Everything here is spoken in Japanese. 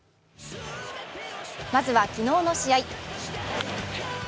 まずは昨日の試合。